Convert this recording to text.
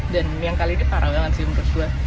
dan yang kali ini parah banget sih untuk gue